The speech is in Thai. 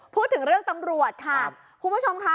พูดถึงเรื่องตำรวจค่ะคุณผู้ชมค่ะ